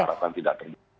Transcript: harapan tidak terjadi